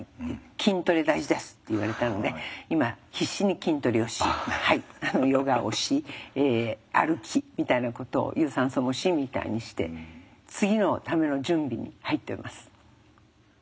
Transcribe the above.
「筋トレ大事です」って言われたんで今必死に筋トレをしヨガをし歩きみたいなことを有酸素もしみたいにして次のための準備に入ってます。